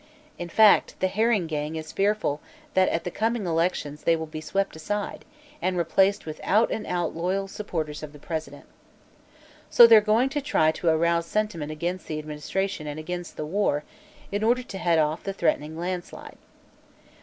In fact, the Herring gang is fearful that at the coming elections they will be swept aside and replaced with out and out loyal supporters of the President. So they're going to try to arouse sentiment against the administration and against the war, in order to head off the threatened landslide.